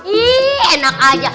ih enak aja